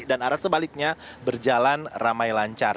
dan arah sebaliknya berjalan ramai lancar